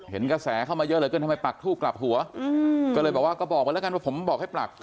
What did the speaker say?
เห็นกระแสเข้ามาเยอะเหลือเกินทำไมปักทูบกลับหัวก็เลยบอกว่าก็บอกไว้แล้วกันว่าผมบอกให้ปรัก